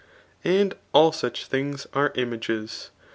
246 And all such things are imagies.